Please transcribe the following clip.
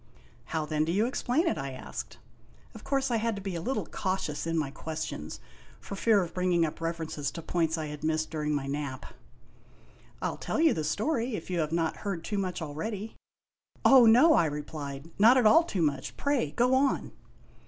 " How then do you explain it?" I asked. (Of course I had to be a little cautious in my questions, for fear of bringing up references to points I had missed during my nap.) " I '11 tell you the story, if you have not heard too much already?" " Oh, no !" I replied. " Not at all too much. Pray go on."